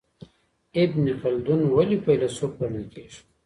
ابن خلدون ولي فیلسوف ګڼل کیږي؟